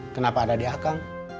kenapa ada di akang